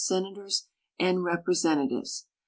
Senatoi's and Representatives.